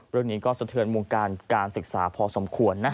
เรื่องนี้ก็เสียเทือนการศึกษาพอสมควรนะ